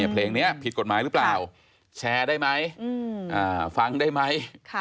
เพลงนี้ผิดกฎหมายหรือเปล่าแชร์ได้ไหมฟังได้ไหม